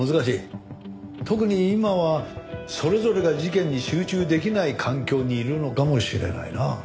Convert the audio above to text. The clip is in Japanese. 特に今はそれぞれが事件に集中できない環境にいるのかもしれないな。